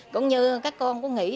cũng như các con cũng nghĩ